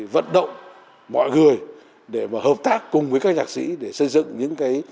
vận động mọi người để mà hợp tác cùng với các nhạc sĩ để xây dựng những cái